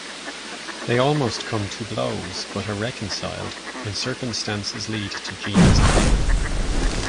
They almost come to blows but are reconciled when circumstances lead to Jean's death.